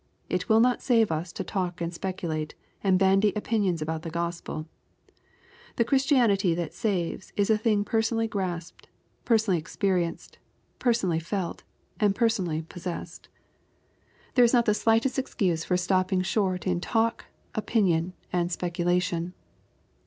It will not save us to talk and speculate, and bandy opinions about the Gospel. The Christianity that saves, is a thing personally grasped, personally experienced, personally felt, and personally possessed. There is not 806 EXPOSITORT THOUGHTS. the Blightest excuse for stopping short in talk^ opiaion, and speculation.